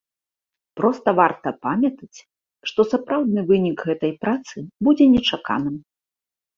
Проста варта памятаць, што сапраўдны вынік гэтай працы будзе нечаканым.